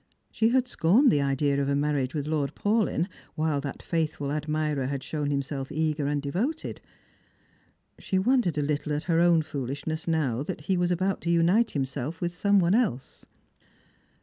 She had scorned the idea of a marriage with Lord Paulyn, while that faithful admirer had shown himself eager And devoted. She wondered a little at her own foolishness now that he was about to unite himself with some one else.